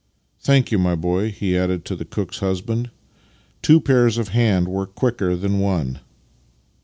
" Thank you, my boy," he added to the cook's husband. " Two pairs of hands work quicker than one."